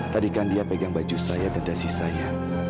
tadi kan dia pegang baju saya dan dasi saya